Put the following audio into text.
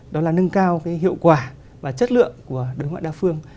đó là nâng cao hiệu quả và chất lượng của đối ngoại đa phương